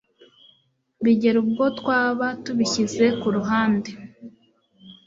bigera ubwo twaba tubishyize ku ruhande